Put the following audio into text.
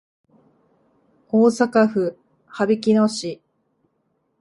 大阪府羽曳野市